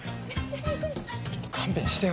ちょっと勘弁してよ。